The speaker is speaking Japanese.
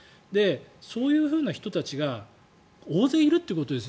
そういうふうな人たちが大勢いるということです。